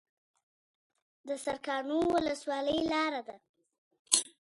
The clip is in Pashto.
د سرکانو ولسوالۍ لاره ده